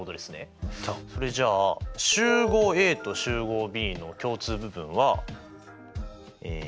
それじゃあ集合Ａと集合Ｂの共通部分は。